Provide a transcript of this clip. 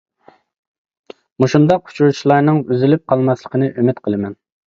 مۇشۇنداق ئۇچرىشىشلارنىڭ ئۈزۈلۈپ قالماسلىقىنى ئۈمىد قىلىمەن.